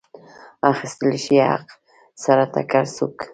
اخیستلی شي له حق سره ټکر څوک.